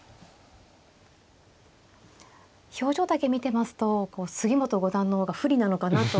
表情だけ見てますと杉本五段の方が不利なのかなと。